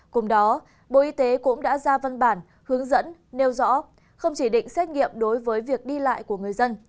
cùng đó bộ y tế cũng đã ra văn bản hướng dẫn nêu rõ không chỉ định xét nghiệm đối với việc đi lại của người dân